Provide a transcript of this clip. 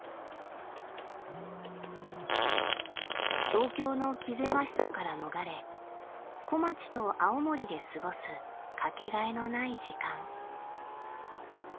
東京の気ぜわしさから逃れ小町と青森で過ごす掛けがえのない時間。